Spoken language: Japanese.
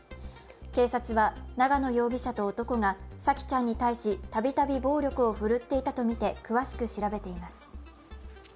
警察は長野容疑者と男が沙季ちゃんに対したびたび暴力をふるっていたとみて詳しく調べています。